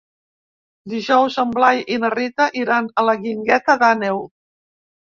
Dijous en Blai i na Rita iran a la Guingueta d'Àneu.